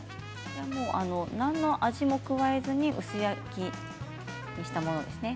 何の味も加えずに薄焼きにしたものですね。